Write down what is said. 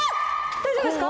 大丈夫ですか？